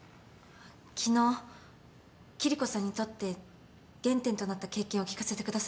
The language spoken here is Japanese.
昨日キリコさんにとって原点となった経験を聞かせてくださいました。